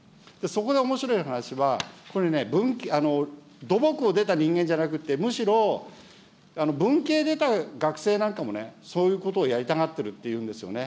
そこでおもしろい話は、これね、土木を出た人間じゃなくて、むしろ、文系出た学生なんかもね、そういうことをやりたがってるっていうんですよね。